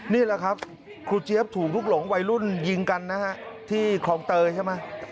นี่แหละครับครูเจี๊ยบถูกลุกหลงวัยรุ่นยิงกันนะฮะที่คลองเตยใช่ไหม